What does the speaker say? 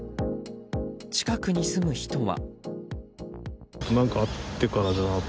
近くに住む人は。